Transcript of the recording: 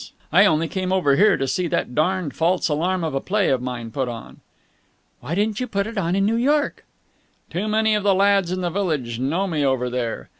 I only came over here to see that darned false alarm of a play of mine put on." "Why didn't you put it on in New York?" "Too many of the lads of the village know me over there.